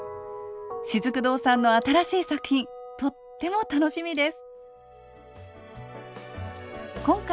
しずく堂さんの新しい作品とっても楽しみです。